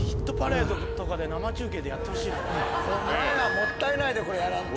もったいないでこれやらんと。